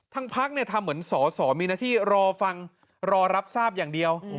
ทั้งภักดิ์ทำเหมือนสอมีหน้าที่รอฟังรอรับทราบอย่างเดียว